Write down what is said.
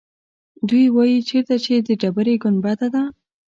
دوی وایيچېرته چې د ډبرې ګنبده ده.